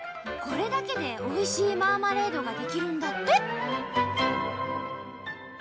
これだけでおいしいマーマレードが出来るんだって！